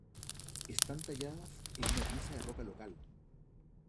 Están talladas en una pieza de roca local.